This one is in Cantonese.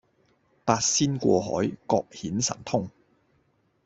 八仙過海各顯神通